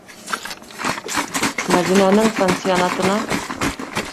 Мәҙинәнең... пансионатына?!